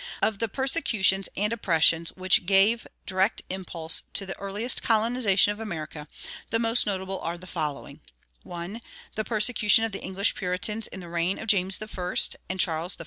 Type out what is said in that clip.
Of the persecutions and oppressions which gave direct impulse to the earliest colonization of America, the most notable are the following: (1) the persecution of the English Puritans in the reigns of James I. and Charles I.